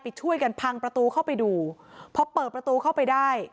ช่วยกันพังประตูเข้าไปดูพอเปิดประตูเข้าไปได้